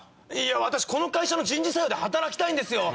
私この会社の人事採用で働きたいんですよ。